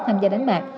tham gia đánh bạc